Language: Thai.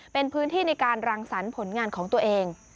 เป็นพื้นที่ในการรังสรรค์ผลงานของตัวเอง